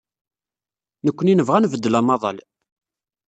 Nekkni nebɣa ad nbeddel amaḍal.